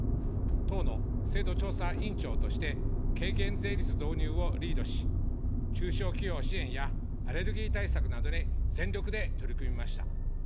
党の制度調査委員長として、軽減税率導入をリードし、中小企業支援やアレルギー対策などに全力で取り組みました。